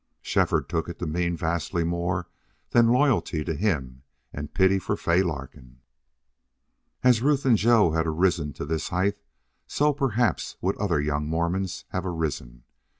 Shefford took it to mean vastly more than loyalty to him and pity for Fay Larkin. As Ruth and Joe had arisen to this height, so perhaps would other young Mormons, have arisen.